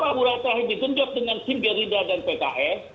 tapi era mulai terhenti gendap dengan tim birida dan pks